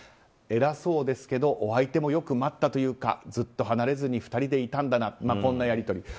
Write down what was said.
偉そうですけどお相手もよく待ったというかずっと離れずに２人でいたんだなというやり取り。